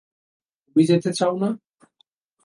তুমি যেতে চাও না?